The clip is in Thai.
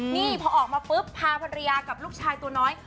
นี่พอออกมาปุ๊บพาภรรยากับลูกชายตัวน้อย